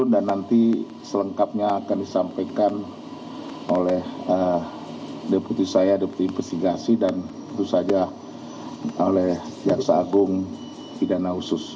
dan nanti selengkapnya akan disampaikan oleh deputi saya deputi invesigasi dan tentu saja oleh jaksa agung idana usus